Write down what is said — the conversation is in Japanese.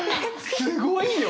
すごいよ。